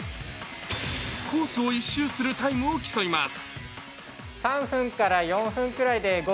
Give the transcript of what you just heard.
コースを１周するタイムを競います